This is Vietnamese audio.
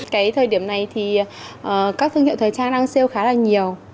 cái thời điểm này thì các thương hiệu thời trang đang siêu khá là nhiều